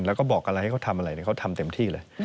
แล้วก็บอกอะไรให้เขาทำอะไรเขาทำเต็มที่เลย